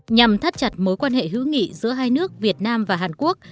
nhằm thắt chặt mối quan hệ hữu nghị giữa hai nước việt nam và hàn quốc